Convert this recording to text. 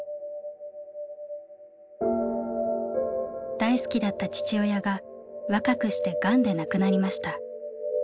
大好きだった父親が若くしてガンで亡くなりました。